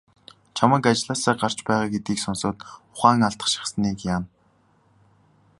Чамайг ажлаасаа гарч байгаа гэдгийг сонсоод ухаан алдах шахсаныг яана.